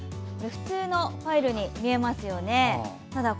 普通のファイルに見えますよね。